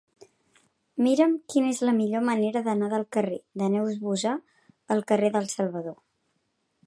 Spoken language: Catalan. Mira'm quina és la millor manera d'anar del carrer de Neus Bouzá al carrer dels Salvador.